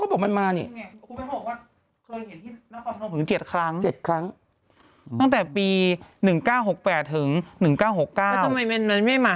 ก็บอกมันมาเนี่ย๗ครั้ง๗ครั้งตั้งแต่ปี๑๙๖๘ถึง๑๙๖๙ไม่มา